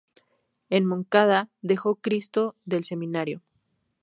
En Moncada dejó Cristo del Seminario.